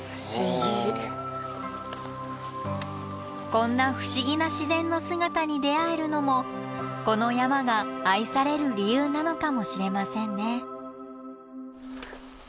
こんな不思議な自然の姿に出会えるのもこの山が愛される理由なのかもしれませんね。